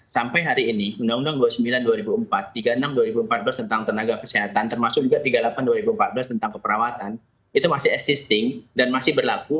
sampai hari ini undang undang dua puluh sembilan dua ribu empat tiga puluh enam dua ribu empat belas tentang tenaga kesehatan termasuk juga tiga puluh delapan dua ribu empat belas tentang keperawatan itu masih existing dan masih berlaku